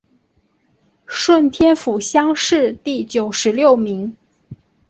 顺天府乡试第九十六名。